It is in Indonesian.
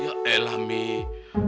ya elah mie